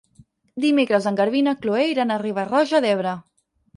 Dimecres en Garbí i na Chloé iran a Riba-roja d'Ebre.